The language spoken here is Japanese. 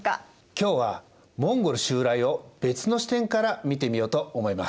今日はモンゴル襲来を別の視点から見てみようと思います。